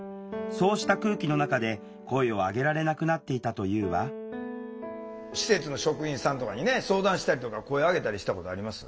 そうした空気の中で声を上げられなくなっていたというわ施設の職員さんとかにね相談したりとか声上げたりしたことあります？